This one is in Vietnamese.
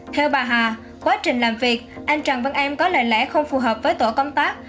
theo bà hà quá trình làm việc anh trần văn em có lời lẽ không phù hợp với tổ công tác